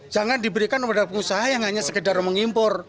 jangan diberikan kepada pengusaha yang hanya sekedar mengimpor